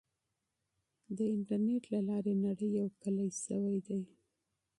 د انټرنیټ له لارې نړۍ یو کلی سوی دی.